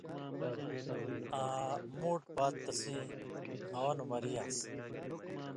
آں مُوٹ پات تسیں خوَن٘دہۡ مرِیان٘س؛